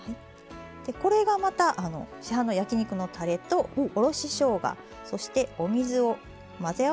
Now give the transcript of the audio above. これがまた市販の焼き肉のたれとおろししょうがそしてお水を混ぜ合わせたものになります。